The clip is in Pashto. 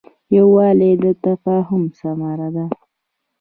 یووالی د تفاهم ثمره ده.